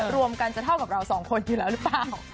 รวมกันจะเท่ากับเราสองคนอยู่แล้วหรือเปล่า